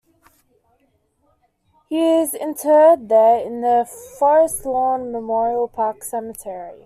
He is interred there in the Forest Lawn Memorial Park Cemetery.